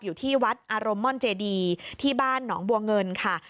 อยู่ที่วัดอารมณ์ม่อนเจดีที่บ้านหนองบัวเงินค่ะ